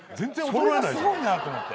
それがすごいなと思って。